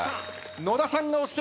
野田さんが押してきた。